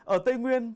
ở tây nguyên